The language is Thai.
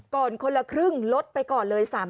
ก่อนคนละครึ่งลดไปก่อนเลย๓๐๐